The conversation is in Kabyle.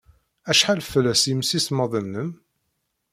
Acḥal fell-as yimsismeḍ-nnem?